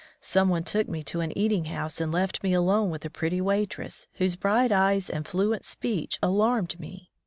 Some one took me to an eating house and left me alone with the pretty waitress, whose bright eyes and fluent speech alarmed me.